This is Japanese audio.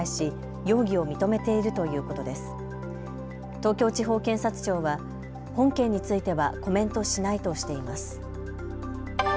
東京地方検察庁は本件についてはコメントしないとしています。